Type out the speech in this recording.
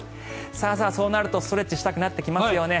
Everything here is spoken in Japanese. そうなるとストレッチをしたくなってきますよね。